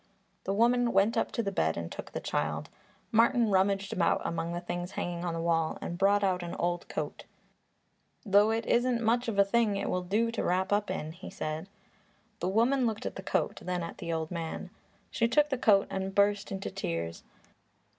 The woman went up to the bed and took the child. Martin rummaged about among the things hanging on the wall and brought out an old coat. "Though it isn't much of a thing, it will do to wrap up in," he said. The woman looked at the coat; then at the old man. She took the coat and burst into tears.